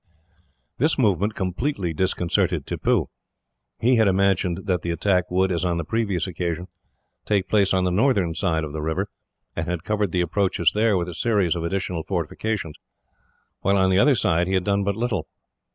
This movement completely disconcerted Tippoo. He had imagined that the attack would, as on the previous occasion, take place on the northern side of the river, and had covered the approaches there with a series of additional fortifications, while on the other side he had done but little.